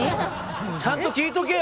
ちゃんと聞いとけよ！